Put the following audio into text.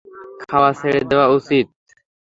খাওয়া ছেড়ে দেওয়া উচিত।